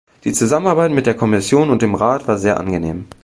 Die Zusammenarbeit mit der Kommission und dem Rat war sehr angenehm.